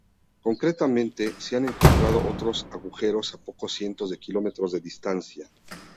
Concretamente, se han encontrado otros agujeros a pocos cientos de kilómetros de distancia.